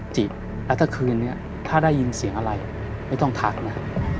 จริงแล้วถ้าคืนนี้ถ้าได้ยินเสียงอะไรไม่ต้องทักนะครับ